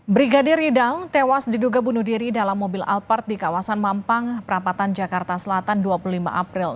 brigadir idang tewas diduga bunuh diri dalam mobil alphard di kawasan mampang perapatan jakarta selatan dua puluh lima april